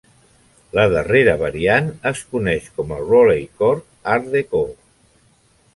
La darrera variant es coneix com el Rolleicord "Art Deco".